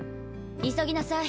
急ぎなさい。